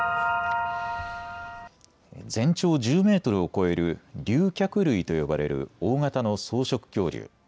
全長１０メートルを超える竜脚類と呼ばれる大型の草食恐竜。